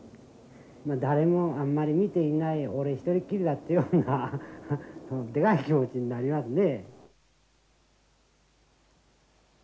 誰もあんまり見ていない俺一人きりだっていうようなでかい気持ちになりますね。